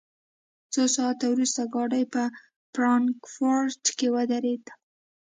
څو ساعته وروسته ګاډی په فرانکفورټ کې ودرېد